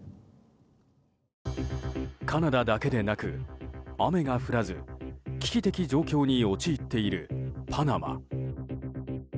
カナダだけでなく、雨が降らず危機的状況に陥っているパナマ。